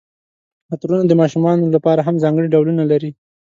عطرونه د ماشومانو لپاره هم ځانګړي ډولونه لري.